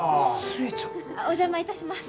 お邪魔いたします。